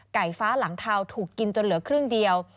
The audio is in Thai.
ฟ้าหลังเทาถูกกินจนเหลือครึ่งเดียว